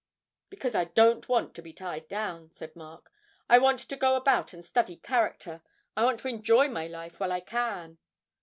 'Because I don't want to be tied down,' said Mark. 'I want to go about and study character. I want to enjoy my life while I can.'